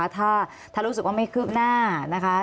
ถ้ารู้สึกว่าไม่เคิบหน้า